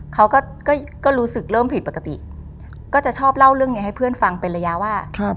เขาก็รู้สึกเริ่มผิดปกติก็จะชอบเล่าเรื่องนี้ให้เพื่อนฟังเป็นระยะว่า